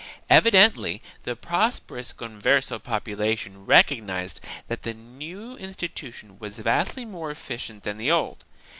Evidently the prosperous Converso population recog nized that the new institution was vastly more efficient than the old.